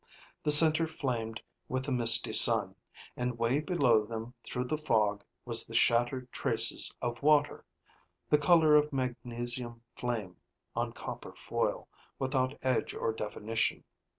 The center flamed with the misty sun, and way below them through the fog was the shattered traces of water, the color of magnesium flame on copper foil, without edge or definition.